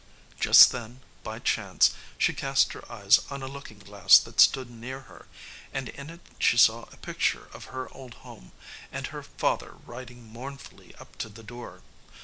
Just then, by chance, she cast her eyes on a looking glass that stood near her, and in it she saw a picture of her old home, and her father riding mournfully up to the door.